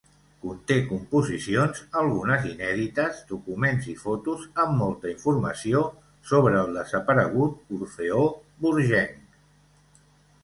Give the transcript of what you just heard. Conté composicions, algunes inèdites, documents i fotos amb molta informació sobre el desaparegut Orfeó Borgenc.